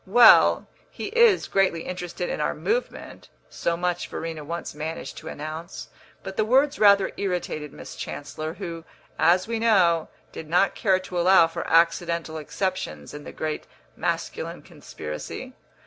"Well, he is greatly interested in our movement": so much Verena once managed to announce; but the words rather irritated Miss Chancellor, who, as we know, did not care to allow for accidental exceptions in the great masculine conspiracy.